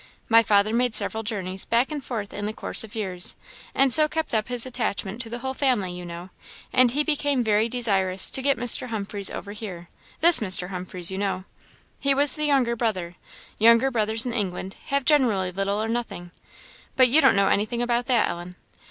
My father made several journeys back and forth in the course of years, and so kept up his attachment to the whole family, you know; and he became very desirous to get Mr. Humphreys over here this Mr. Humphreys, you know. He was the younger brother younger brothers in England have generally little or nothing; but you don't know anything about that, Ellen.